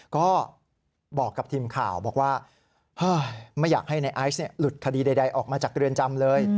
ก็บอกกับทีมข่าวบอกว่าไม่อยากให้ในไอซ์หลุดคดีใดออกมาจากเรือนจำเลย